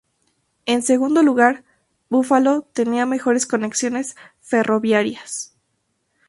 En segundo lugar, Buffalo tenía mejores conexiones ferroviarias.